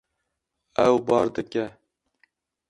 Ew bar dike.